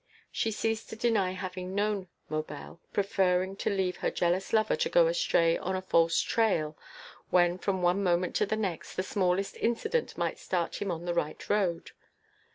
She ceased to deny having known Maubel, preferring to leave her jealous lover to go astray on a false trail, when from one moment to the next, the smallest incident might start him on the right road.